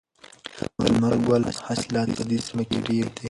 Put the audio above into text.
د لمر ګل حاصلات په دې سیمه کې ډیر دي.